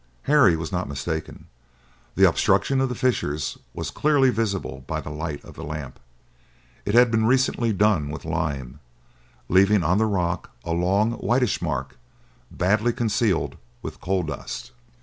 Harry was not mistaken. The obstruction of the fissures was clearly visible by the light of the lamp. It had been recently done with lime, leaving on the rock a long whitish mark, badly concealed with coal dust.